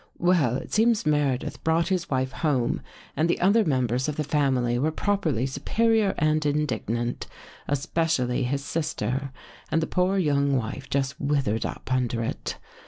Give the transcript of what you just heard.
" Well, It seems Meredkh brought his wife home and the other members of the family were properly superior and Indignant, especially his sister, and the poor young wife just withered up under it.